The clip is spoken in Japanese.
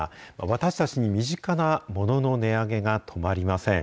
私たちに身近なモノの値上げが止まりません。